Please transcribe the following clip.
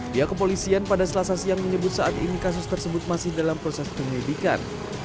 pihak kepolisian pada selasa siang menyebut saat ini kasus tersebut masih dalam proses penyelidikan